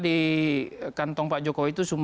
di kantong pak jokowi itu